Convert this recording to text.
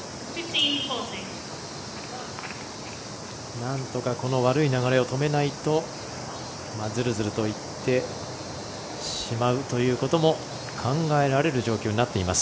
なんとかこの悪い流れを止めないとずるずるといってしまうということも考えられる状況になっています。